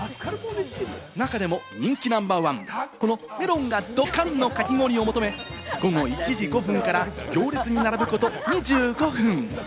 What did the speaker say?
中でも人気ナンバーワン、このメロンがドカン！のかき氷を求め、午後１時５分から行列に並ぶこと２５分。